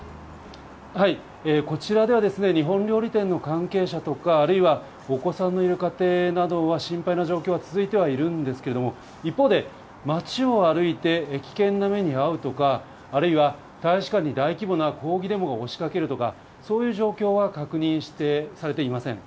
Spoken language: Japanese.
こちらでは、日本料理店の関係者とか、あるいは、お子さんのいる家庭などは心配な状況が続いてはいるんですけれども、一方で、街を歩いて危険な目に遭うとか、あるいは大使館に大規模な抗議デモが押しかけるとか、そういう状況は確認されていません。